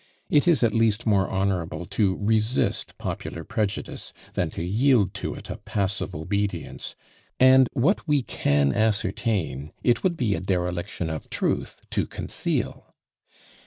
It is at least more honourable to resist popular prejudice than to yield to it a passive obedience; and what we can ascertain it would be a dereliction of truth to conceal.